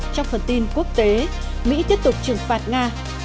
trong phần tin quốc tế mỹ tiếp tục trừng phạt nga